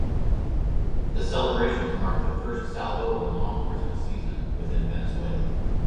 The celebrations mark the first salvo of a long Christmas season within Venezuela.